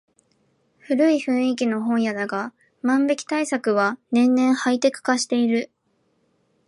古い雰囲気の本屋だが万引き対策は年々ハイテク化している